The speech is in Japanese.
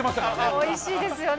おいしいですよね。